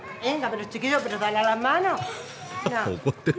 怒ってる！